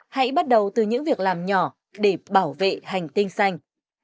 hãy bắt đầu từ những việc làm nhỏ để bảo vệ hành tinh xanh